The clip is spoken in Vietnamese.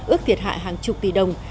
ước thiệt hại hàng chục tỷ đồng